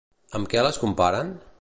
Amb què les comparen?